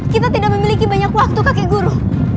kita tidak memiliki banyak waktu kakek guru